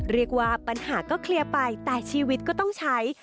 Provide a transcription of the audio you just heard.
เรียกว่าปัญหาก็เคลียร์ไปแต่ชีวิตก็ต้องใช้